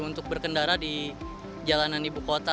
untuk berkendara di jalanan ibu kota